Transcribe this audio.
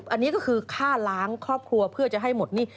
อันนี้ก็คือฆ่าล้างครอบครัวเพื่อจะให้หมดหนี้